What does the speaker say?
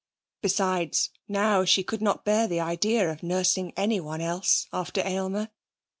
Besides, now she could not bear the idea of nursing anyone else after Aylmer.